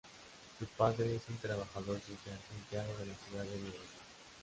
Su padre es un trabajador social, empleado de la ciudad de Nueva York.